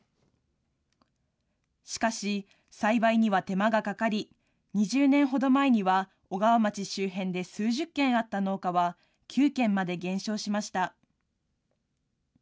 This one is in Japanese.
しかし、栽培には手間がかかり、２０年ほど前には、小川町周辺で数十軒あった農家は９軒まで減少しました。